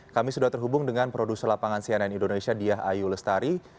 kami sudah terhubung dengan produser lapangan cnn indonesia diah ayu lestari